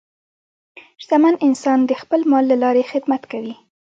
شتمن انسان د خپل مال له لارې خدمت کوي.